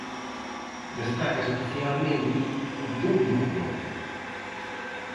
Destaca especialmente o público novo.